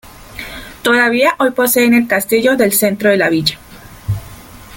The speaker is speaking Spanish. Todavía hoy poseen el castillo del centro de la villa.